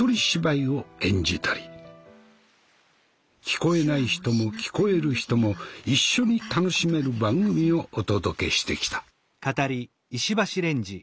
聞こえない人も聞こえる人も一緒に楽しめる番組をお届けしてきた。